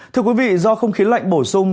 thưa quý vị do không khí lạnh bổ sung